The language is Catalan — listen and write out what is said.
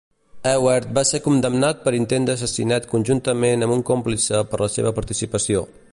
Ewert va ser condemnat per intent d'assassinat juntament amb un còmplice per la seva participació.